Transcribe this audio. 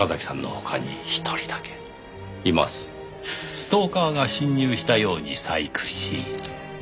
ストーカーが侵入したように細工し。